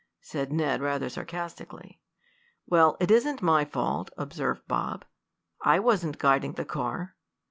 said Ned, rather sarcastically. "Well, it isn't my fault," observed Bob. "I wasn't guiding the car."